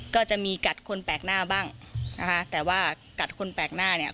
ก็จะมีกัดคนแปลกหน้าบ้างนะคะแต่ว่ากัดคนแปลกหน้าเนี่ย